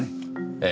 ええ。